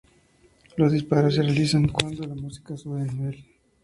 Los disparos se realizan cuando la música sube de nivel.